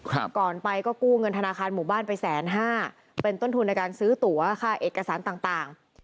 ก่อนไปก็กู้เงินธนาคารหมู่บ้านไปแสนห้าเป็นต้นทุนในการซื้อตัวค่าเอกสารต่างต่าง